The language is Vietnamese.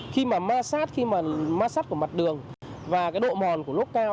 khi mà ma sát khi mà ma sát của mặt đường và cái độ mòn của lốp cao